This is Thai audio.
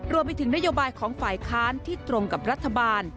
รวมไปถึงนโยบายของฝ่ายค้านที่ตรงกับรัฐบาล